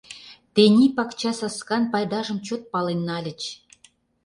Тений пакча саскан пайдажым чот пален нальыч.